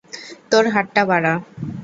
তোর হাতটা বাড়া!